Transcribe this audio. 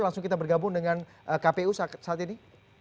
langsung kita bergabung dengan kpu saat ini